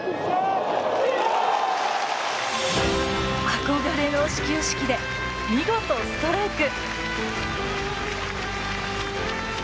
憧れの始球式で見事ストライク！